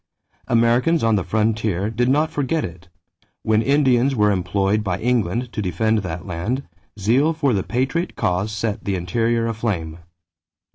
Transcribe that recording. Americans on the frontier did not forget it; when Indians were employed by England to defend that land, zeal for the patriot cause set the interior aflame.